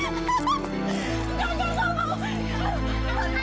gak mau gak mau